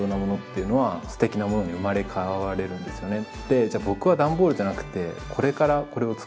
で「じゃあ僕は段ボールじゃなくてこれからこれを作ろう。